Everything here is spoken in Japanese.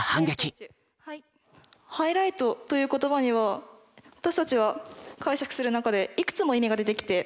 「ハイライト」という言葉には私たちは解釈する中でいくつも意味が出てきて。